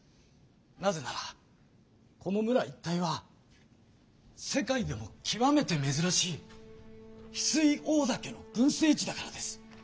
なぜならこの村一帯は世界でもきわめてめずらしいヒスイオオダケの群生地だからです。